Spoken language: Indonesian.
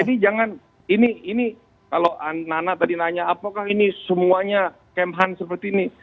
jadi jangan ini ini kalau nana tadi nanya apakah ini semuanya kmhan seperti ini